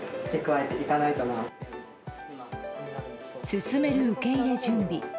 進める受け入れ準備。